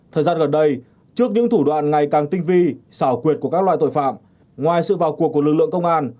thời gian gần đây trước những thủ đoạn ngày càng tinh vi xảo quyệt của các loại tội phạm ngoài sự vào cuộc của lực lượng công an